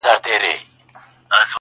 له سدیو تښتېدلی چوروندک دی!